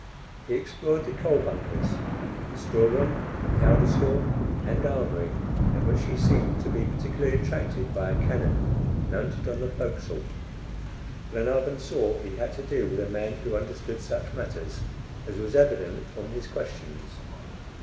He explored the coal bunkers, the store room, the powder store, and armory, in which last he seemed to be particularly attracted by a cannon mounted on the forecastle. Glenarvan saw he had to do with a man who understood such matters, as was evident from his questions.